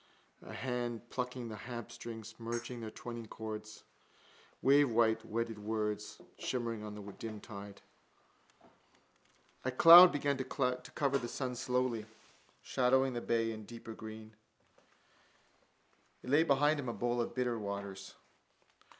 A hand plucking the harpstrings, merging their twining chords. Wavewhite wedded words shimmering on the dim tide. A cloud began to cover the sun slowly, wholly, shadowing the bay in deeper green. It lay beneath him, a bowl of bitter waters.